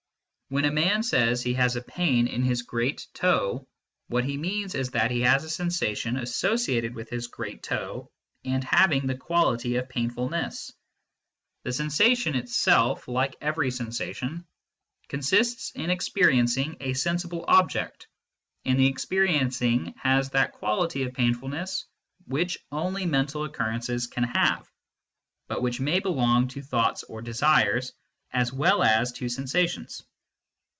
When a man says he has a pain in his great toe, what he means is that he has a sensation associated with his great toe and having the quality of painfulness. The sensation itself, like every sensation, consists in experiencing a sensible object, and the experiencing has that quality of painfulness which only mental occurrences can have, but which may belong to thoughts or desires, as well as to sensations.